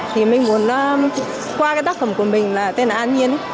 thì mình muốn qua cái tác phẩm của mình là tên là an nhiên